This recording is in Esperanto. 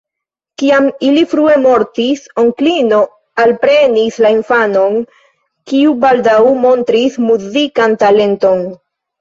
Kiam ili frue mortis, onklino alprenis la infanon, kiu baldaŭ montris muzikan talenton.